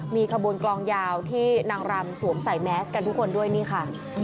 มีขบวนกลองยาวที่นางรำสวมใส่แมสกันทุกคนด้วยนี่ค่ะ